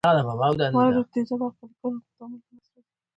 مالګې د تیزابو او القلي ګانو په تعامل په لاس راځي.